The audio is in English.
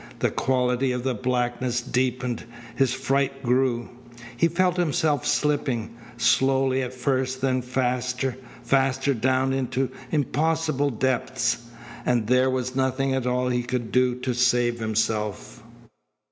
The quality of the blackness deepened. His fright grew. He felt himself slipping, slowly at first then faster, faster down into impossible depths, and there was nothing at all he could do to save himself.